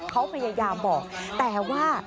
เขาพยายามบอกแต่ว่า